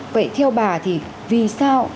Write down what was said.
vậy theo bà thì vì sao